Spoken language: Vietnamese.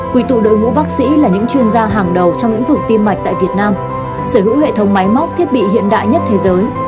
quy tụ đội ngũ bác sĩ là những chuyên gia hàng đầu trong lĩnh vực tim mạch tại việt nam sở hữu hệ thống máy móc thiết bị hiện đại nhất thế giới